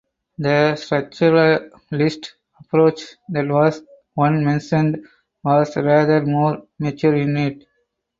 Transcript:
The structuralist approach that was one mentioned was rather more mature in it.